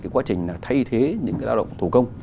quá trình thay thế những lao động thủ công